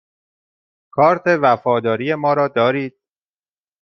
کارت وفاداری ما را دارید؟